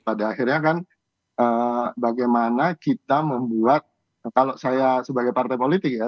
pada akhirnya kan bagaimana kita membuat kalau saya sebagai partai politik ya